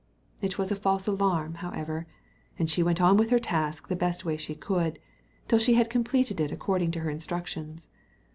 It was a false alarm, however, and she went on with her task the best way she could, till she had completed it according to her instructions.